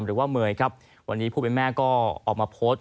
หรือว่าเมย์ครับวันนี้ผู้เป็นแม่ก็ออกมาโพสต์